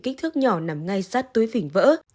kích thước nhỏ nằm ngay sát túi phình vỡ